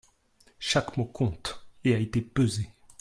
Chaque mot compte et a été pesé.